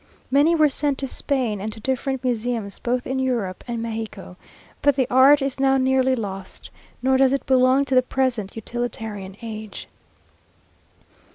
Many were sent to Spain, and to different museums both in Europe and Mexico; but the art is now nearly lost, nor does it belong to the present utilitarian age.